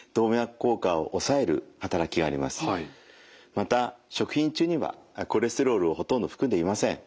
また食品中にはコレステロールをほとんど含んでいません。